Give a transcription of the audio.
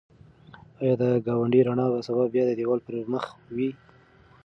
ایا د ګاونډي رڼا به سبا بیا د دېوال پر مخ وي؟